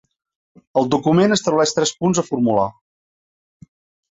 El document estableix tres punts a formular.